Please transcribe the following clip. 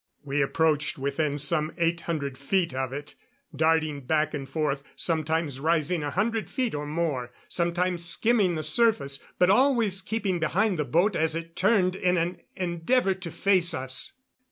We approached within some eight hundred feet of it, darting back and forth, sometimes rising a hundred feet or more, sometimes skimming the surface, but always keeping behind the boat as it turned in an endeavor to face us.